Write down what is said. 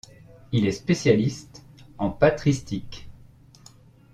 Il est spécialiste en patristique.